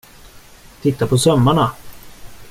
Titta på sömmarna.